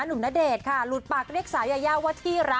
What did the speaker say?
บอกว่าพี่แบรี่หนูลืมเอากระเป๋ามาอย่างนี้ค่ะ